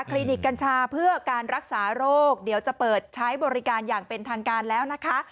ลินิกกัญชาเพื่อการรักษาโรคเดี๋ยวจะเปิดใช้บริการอย่างเป็นทางการแล้วนะคะ